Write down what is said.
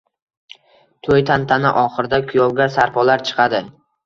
to’y tantana oxirida kuyovga sarpolar chiqadi.